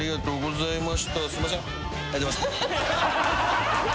すいません。